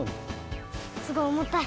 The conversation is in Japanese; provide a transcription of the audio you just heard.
すごいおもたい。